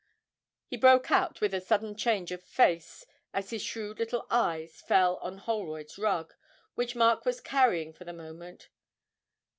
he broke out, with a sudden change of face, as his shrewd little eyes fell on Holroyd's rug, which Mark was carrying for the moment.